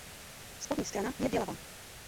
Spodní strana je bělavá.